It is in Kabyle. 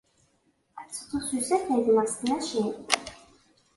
Ad teddud s usafag neɣ s tmacint?